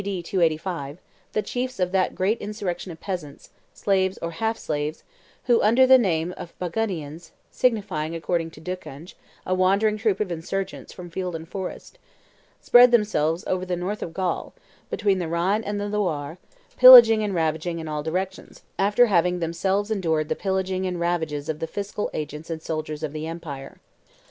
285, the chiefs of that great insurrection of peasants, slaves or half slaves, who, under the name of Bagaudians (signifying, according to Ducange, a wandering troop of insurgents from field and forest), spread themselves over the north of Gaul, between the Rhine and the Loire, pillaging and ravaging in all directions, after having themselves endured the pillaging and ravages of the fiscal agents and soldiers of the empire.